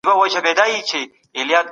د سولي په اړه نړیوال بحثونه تل دوام لري.